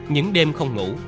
những đêm không ngủ